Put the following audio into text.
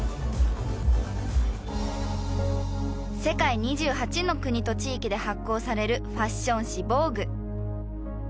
世界２８の国と地域で発行されるファッション誌『ＶＯＧＵＥ』。